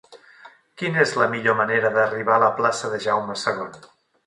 Quina és la millor manera d'arribar a la plaça de Jaume II?